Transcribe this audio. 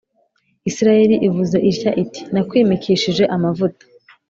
Isirayeli ivuze itya iti Nakwimikishije amavuta